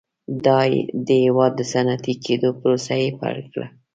د هېواد د صنعتي کېدو پروسه یې پیل کړه.